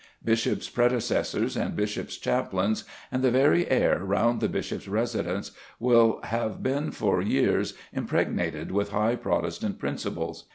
Bishop's predecessors and bishop's chaplains, and the very air round the bishop's residence, will have been for years impregnated with high Protestant principles.